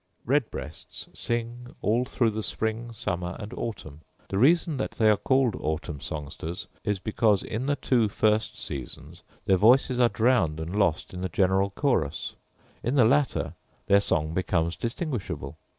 Red breasts sing all through the spring, summer, and autumn. The reason that they are called autumn songsters is, because in the two first seasons their voices are drowned and lost in the general chorus; in the latter their song becomes distinguishable.